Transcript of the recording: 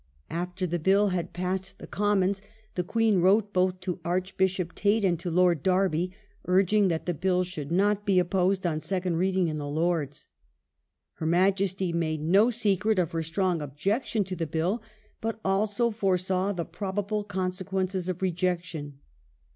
After the Bill had passed the Commons, the Queen wrote both to Archbishop Tait and to Lord Derby, urging that the Bill should not be opposed on second Reading in the Lords. Her Majesty made no secret of her strong objection to the Bill, but she foresaw the probable consequences of rejection.